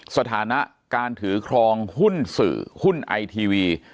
สถานะการถือครองหุ้นสื่อหุ้นไอทีวี